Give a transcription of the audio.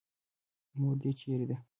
مور دې چېرې ده.